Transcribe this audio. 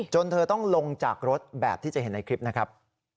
เธอต้องลงจากรถแบบที่จะเห็นในคลิปนะครับ